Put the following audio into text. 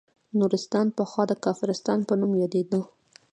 نورستان پخوا د کافرستان په نوم یادیده